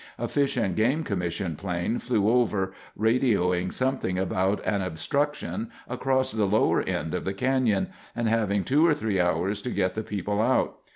A Fish and Game Commission plane flew over, radioing something about an obstruction across the lower end of the canyon, and having two to three hours to get the people out.